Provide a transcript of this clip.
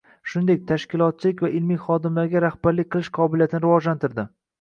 Shuningdek, tashkilotchilik va ilmiy xodimlarga rahbarlik qilish qobiliyatini rivojlantirdi